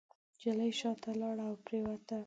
نجلۍ شاته لاړه او پرېوته.